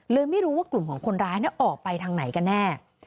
ไม่รู้ว่ากลุ่มของคนร้ายออกไปทางไหนกันแน่